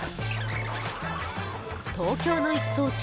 東京の一等地